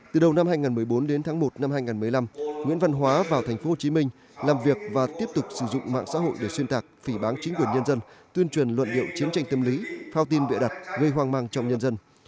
từ đầu năm hai nghìn một mươi bốn đến tháng một năm hai nghìn một mươi năm nguyễn văn hóa vào thành phố hồ chí minh làm việc và tiếp tục sử dụng mạng xã hội để xuyên thạc phỉ bán chính quyền nhân dân tuyên truyền luận điệu chiến tranh tâm lý phao tin vệ đặt gây hoang mang trong nhân dân